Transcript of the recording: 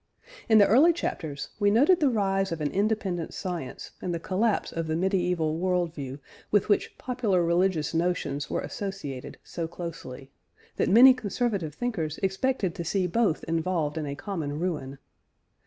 In the early chapters we noted the rise of an independent science, and the collapse of the medieval world view with which popular religious notions were associated so closely, that many conservative thinkers expected to see both involved in a common ruin.